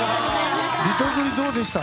リトグリ、どうでした？